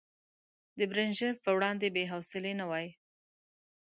د بريژينف په وړاندې بې حوصلې نه وای.